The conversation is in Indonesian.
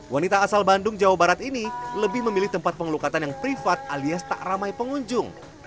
wanita asal bandung jawa barat ini lebih memilih tempat pengelukatan yang privat alias tak ramai pengunjung